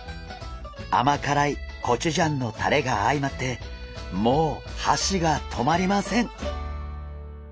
甘辛いコチュジャンのタレが相まってもうはしが止まりません！